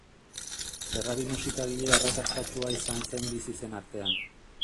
Ferrari musikagile arrakastatsua izan zen bizi zen artean.